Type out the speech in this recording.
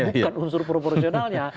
bukan unsur proporsionalnya